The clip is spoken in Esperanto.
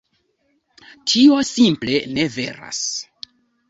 Tio simple ne veras.